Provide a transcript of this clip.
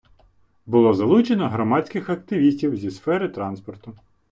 Було залучено громадських активістів зі сфери транспорту.